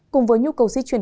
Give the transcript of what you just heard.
cùng với nhu cầu di chuyển